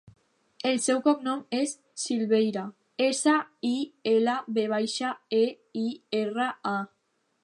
El seu cognom és Silveira: essa, i, ela, ve baixa, e, i, erra, a.